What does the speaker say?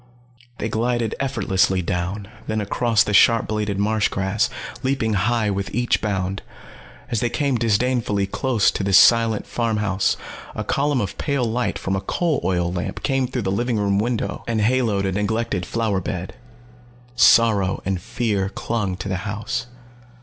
They glided effortlessly down, then across the sharp bladed marsh grass, leaping high with each bound. As they came disdainfully close to the silent farm house, a column of pale light from a coal oil lamp came through the living room window and haloed a neglected flower bed. Sorrow and fear clung to the house.